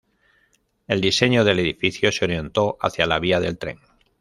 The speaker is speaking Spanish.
El diseño del edificio se orientó hacia la vía del tren.